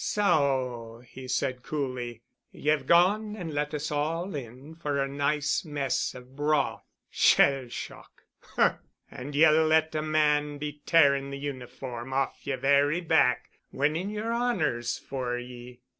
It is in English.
"So," he said coolly, "ye've gone and let us all in for a nice mess of broth! Shell shock! Humph! And ye'll let a man be tearing the uniform off yer very back—winning yer honors for ye."